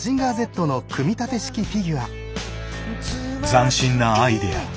斬新なアイデア。